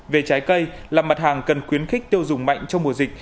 về trái cây làm mặt hàng cần quyến khích tiêu dùng mạnh trong mùa dịch